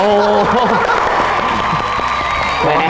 โอ้โห